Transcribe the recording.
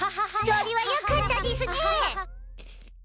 そりはよかったでぃすね！